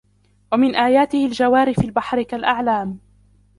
وَمِنْ آيَاتِهِ الْجَوَارِ فِي الْبَحْرِ كَالْأَعْلَامِ